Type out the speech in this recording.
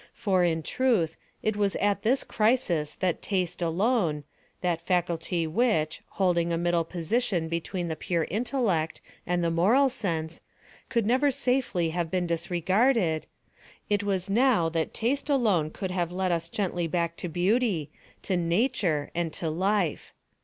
For, in truth, it was at this crisis that taste alone—that faculty which, holding a middle position between the pure intellect and the moral sense, could never safely have been disregarded—it was now that taste alone could have led us gently back to Beauty, to Nature, and to Life.